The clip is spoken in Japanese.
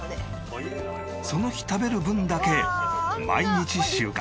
その日食べる分だけ毎日収穫。